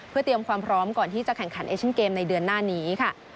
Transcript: เพื่อเตรียมความพร้อมก่อนที่จะแข่งขันเอเชียนเกมในเดือนหน้านี้ค่ะ